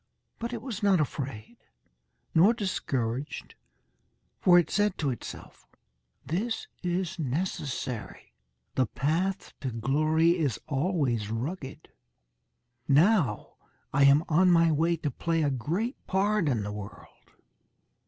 But it was not afraid, nor discouraged, for it said to itself: "This is necessary. The path to glory is always rugged. Now I am on my way to play a great part in the world."